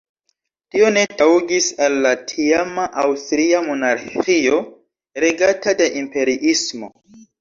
Tio ne taŭgis al la tiama Aŭstria monarĥio, regata de imperiismo.